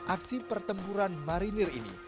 aksi pertempuran mariner ini